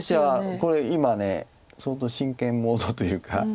これ今相当真剣モードというか。